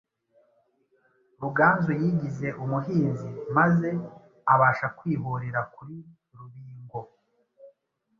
Ruganzu yigize umuhinzi ,maze abasha kwihorera kuri Rubingo